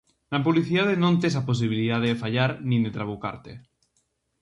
Na publicidade non tes a posibilidade de fallar nin de trabucarte.